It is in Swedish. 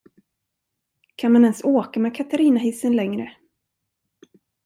Kan man ens åka med Katarinahissen längre?